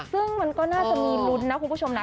ซึ่งมันก็น่าจะมีลุ้นนะคุณผู้ชมนะ